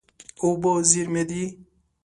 اوبه زېرمې دي.